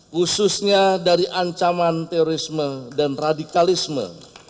khususnya dari ancaman terorisme dan radikalisme